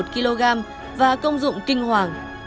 một kg và công dụng kinh hoàng